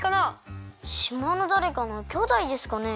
しまのだれかのきょうだいですかね？